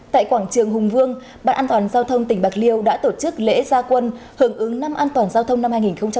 tại quảng trường hùng vương ubnd tỉnh bạc liêu đã tổ chức lễ gia quân hưởng ứng năm an toàn giao thông năm hai nghìn một mươi sáu